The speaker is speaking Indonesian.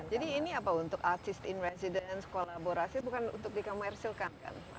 jadi ini apa untuk artist in residence kolaborasi bukan untuk dikomersilkan kan